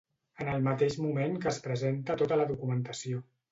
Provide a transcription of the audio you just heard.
En el mateix moment que es presenta tota la documentació.